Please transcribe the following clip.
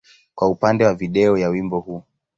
kwa upande wa video ya wimbo huu.